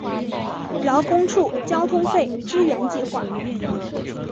劳工处交通费支援计划